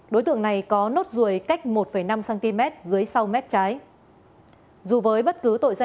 đối tượng này có nốt ruồi cách một năm cm dưới xe